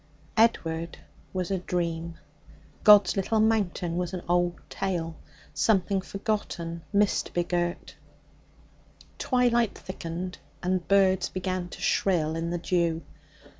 Edward was a dream; God's Little Mountain was an old tale something forgotten, mist begirt. Twilight thickened, and birds began to shrill in the dew.